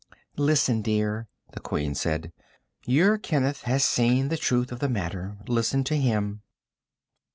"Listen, dear," the Queen said. "Your Kenneth has seen the truth of the matter. Listen to him."